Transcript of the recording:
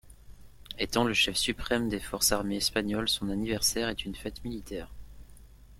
Étant le chef suprême des forces armées espagnoles, son anniversaire est une fête militaire.